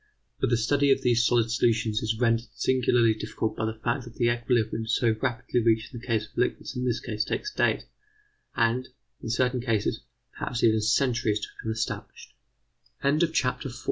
But the study of these solid solutions is rendered singularly difficult by the fact that the equilibrium so rapidly reached in the case of liquids in this case takes days and, in certain cases, perhaps even centuries to become establish